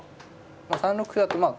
３六歩だとまあ